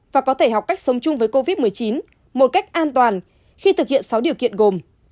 và có thể học cách sống chung với covid một mươi chín một cách an toàn khi thực hiện sáu điều kiện gồm